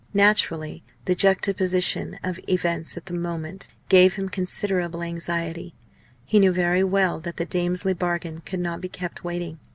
Naturally the juxtaposition of events at the moment gave him considerable anxiety. He knew very well that the Damesley bargain could not be kept waiting.